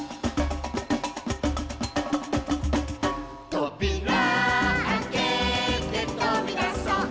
「とびらあけてとびだそう」